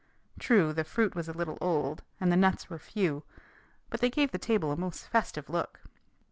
True, the fruit was a little old and the nuts were few; but they gave the table a most festive look.